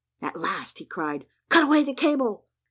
At last he cried, "Cut away the cable!"